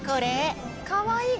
かわいい。